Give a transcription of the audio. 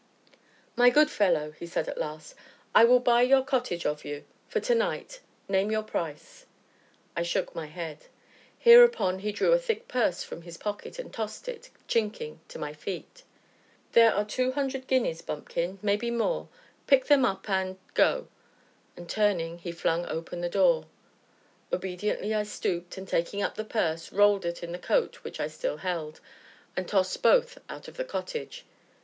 "My good fellow," said he at last, "I will buy your cottage of you for to night name your price." I shook my head. Hereupon he drew a thick purse from his pocket, and tossed it, chinking, to my feet. "There are two hundred guineas, bumpkin, maybe more pick them up, and go," and turning, he flung open the door. Obediently I stooped, and, taking up the purse, rolled it in the coat which I still held, and tossed both out of the cottage.